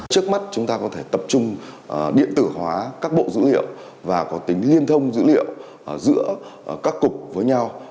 trước mắt chúng ta có thể tập trung điện tử hóa các bộ dữ liệu và có tính liên thông dữ liệu giữa các cục với nhau